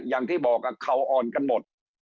อย่างที่บอกเขาอ่อนกันหมด